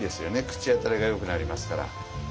口当たりがよくなりますから。